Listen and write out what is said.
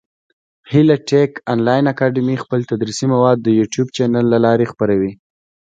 هیله ټېک انلاین اکاډمي خپل تدریسي مواد د يوټیوب چېنل له لاري خپره وي.